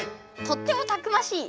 「とってもたくましい」。